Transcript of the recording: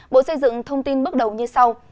bộ xây dựng thông tin bước đầu như sau